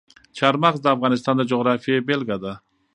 چار مغز د افغانستان د جغرافیې بېلګه ده.